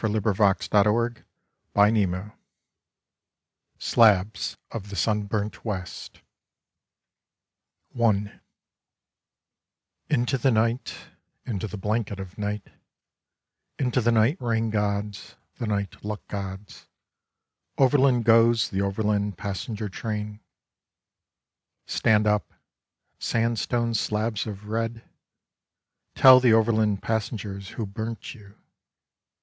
Slabs of the Sunburnt West SLABS OF THE SUNBURNT WEST Into the night, into the blanket of night, Into the night rain gods, the night luck gods, Overland goes the overland passenger train. Stand up, sandstone slabs of red. Tell the overland passengers who burnt you.